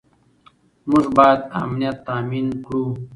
موږ باید امنیت تامین کړو.